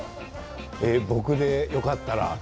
僕でよかったら。